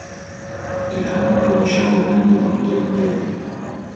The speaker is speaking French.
Il a accompagné Charlemagne dans les guerres d'Italie.